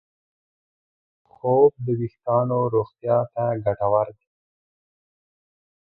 خوب د وېښتیانو روغتیا ته ګټور دی.